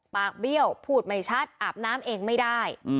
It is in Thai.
เบี้ยวพูดไม่ชัดอาบน้ำเองไม่ได้